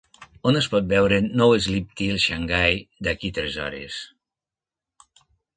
on es pot veure No Sleep til Shanghai d'aquí tres hores